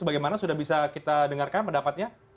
bagaimana sudah bisa kita dengarkan pendapatnya